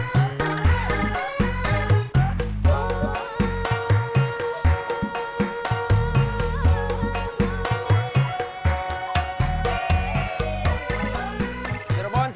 di jalur angkot juga tinggal satu orang